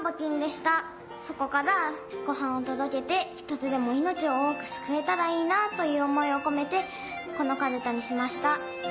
そこからごはんをとどけて１つでも命を多くすくえたらいいなという思いを込めてこのかるたにしました。